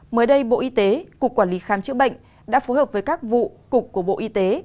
mới đây bộ y tế cục quản lý khám chữa bệnh đã phối hợp với các vụ cục của bộ y tế